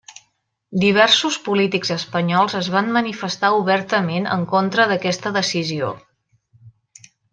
Diversos polítics espanyols es van manifestar obertament en contra d'aquesta decisió.